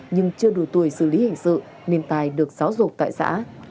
nhưng chưa đủ tuổi xử lý hình sự nên tài được xáo ruột tại xã